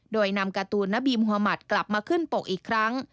โดยนำการ์ตูนณบีมฮามัติกลับมาขึ้นปกอีกครั้ง